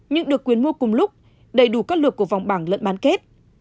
nhưng được quyến mua cùng lúc đầy đủ các lượt của vòng bảng lẫn bán kết